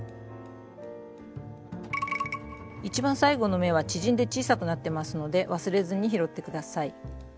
一番最後の目は縮んで小さくなってますので忘れずに拾って下さい。